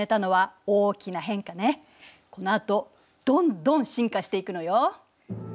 このあとどんどん進化していくのよ。